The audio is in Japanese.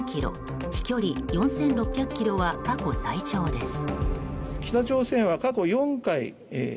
飛距離４６００ｋｍは過去最長です。